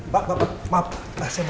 saya mau pergi ya